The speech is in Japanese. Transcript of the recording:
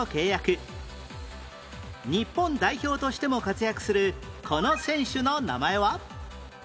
日本代表としても活躍するこの選手の名前は？